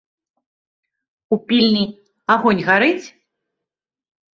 У пільні агонь гарыць?